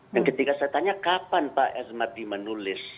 dan ketika saya tanya kapan pak zuma diadra menulis